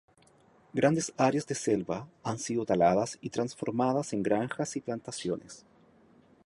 Grandes áreas de selva han sido taladas y transformadas en granjas y plantaciones.